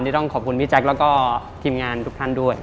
ต้องขอบคุณพี่แจ๊คแล้วก็ทีมงานทุกท่านด้วย